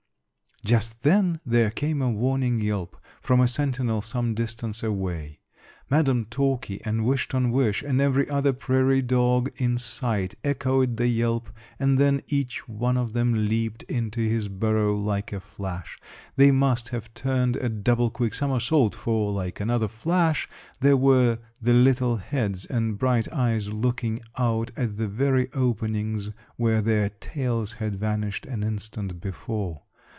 Just then there came a warning yelp from a sentinel some distance away. Madam Talky and Wish ton wish and every other prairie dog in sight echoed the yelp and then each one of them leaped into his burrow like a flash. They must have turned a double quick somersault, for, like another flash there were the little heads and bright eyes looking out at the very openings where their tails had vanished an instant before.